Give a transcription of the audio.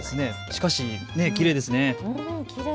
しかしきれいですね。